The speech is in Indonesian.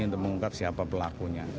untuk mengungkap siapa pelakunya